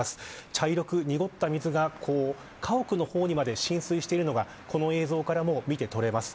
茶色く濁った水が家屋の方にまで浸水しているのがこの映像からも見てとれます。